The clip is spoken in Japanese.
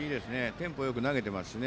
テンポよく投げてますね。